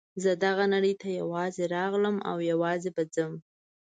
زه دغه نړۍ ته یوازې راغلم او یوازې به ځم.